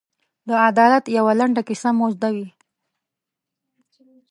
د عدالت یوه لنډه کیسه مو زده وي.